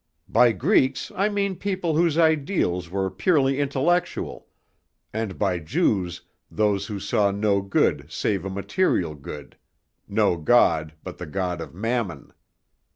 By Greeks I mean people whose ideals were purely intellectual, and by Jews those who saw no good save a material good, no God but the God of Mammon.